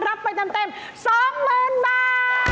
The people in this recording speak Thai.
รับไปเต็ม๒หมื่นบาท